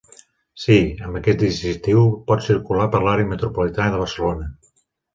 Sí, amb aquest distintiu pot circular per l'àrea metropolitana de Barcelona.